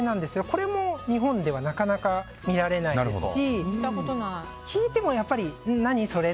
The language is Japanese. これも日本ではなかなか見られないですし聞いても何それ？